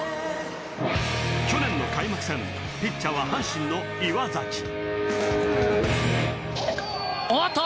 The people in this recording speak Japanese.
去年の開幕戦ピッチャーは阪神の岩崎おっと！